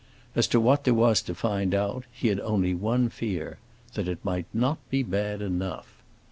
As to what there was to find out, he had only one fear—that it might not be bad enough.